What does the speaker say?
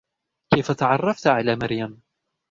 كيف تعرفت على مريم ؟